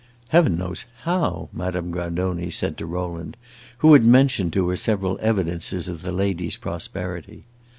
"Heaven knows how!" Madame Grandoni said to Rowland, who had mentioned to her several evidences of the lady's prosperity.